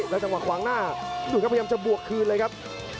จังหวะขวางหน้าดูครับพยายามจะบวกคืนเลยครับ